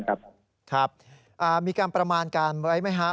ครับมีการประมาณกันไหมห้า